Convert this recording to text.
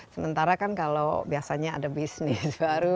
sementara kan kalau biasanya ada bisnis baru